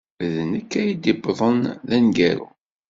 D nekk ay d-yuwḍen d ameggaru.